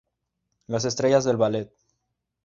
Las estrellas del Ballet.